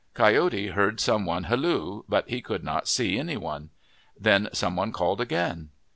Coyote heard some one halloo, but he could not see any one. Then some one called again.